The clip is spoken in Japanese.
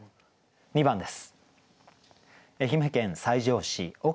２番です。